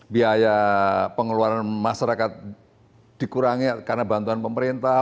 biaya pengeluaran masyarakat dikurangi karena bantuan pemerintah